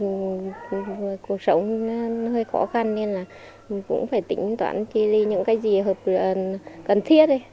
nhưng mà mình cuộc sống nó hơi khó khăn nên là mình cũng phải tính toán chi li những cái gì cần thiết ấy